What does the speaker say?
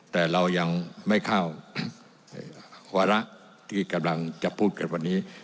แต่เรายังไม่เข้าวาระที่กำลังจะพูดกันวันนี้